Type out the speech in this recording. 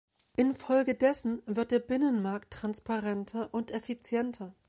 Infolgedessen wird der Binnenmarkt transparenter und effizienter.